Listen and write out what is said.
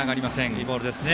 いいボールですね。